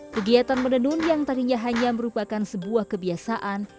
kegiatan menenun yang tadinya hanya merupakan sebuah kebiasaan